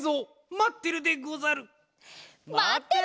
まってるでござる！